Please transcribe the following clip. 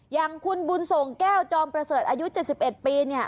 อย่างคุณบุญส่งแก้วจอมประเสริฐอายุ๗๑ปี